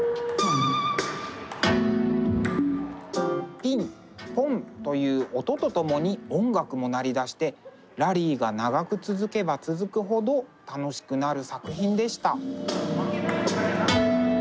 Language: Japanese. ピンポンという音とともに音楽も鳴りだしてラリーが長く続けば続くほど楽しくなる作品でした。